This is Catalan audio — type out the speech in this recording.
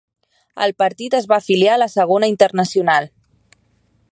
El partit es va afiliar a la Segona Internacional.